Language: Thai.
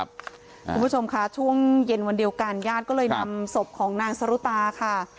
คุณผู้ชมค่ะช่วงเย็นวันเดียวกันญาติก็เลยนำศพของนางสรุตาค่ะ